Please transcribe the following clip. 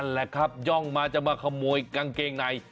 แหละครับย่องมาจะมาขโมยกางเกงใน